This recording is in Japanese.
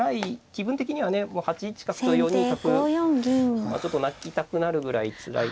気分的にはね８一角と４二角ちょっと泣きたくなるぐらいつらい。